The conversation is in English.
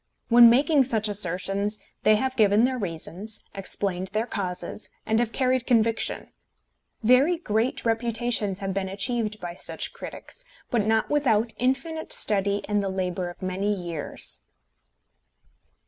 When making such assertions they have given their reasons, explained their causes, and have carried conviction. Very great reputations have been achieved by such critics, but not without infinite study and the labour of many years.